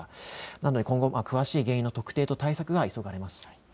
ですので今後詳しい原因の特定と対策が急がれます。